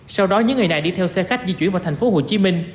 sau đó những người này đi theo xe khách di chuyển vào tp hcm